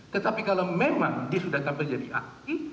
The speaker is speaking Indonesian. tetapi kalau memang dia sudah sampai jadi ahli